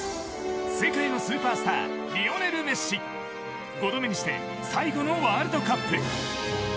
世界のスーパースターリオネル・メッシ５度目にして最後のワールドカップ。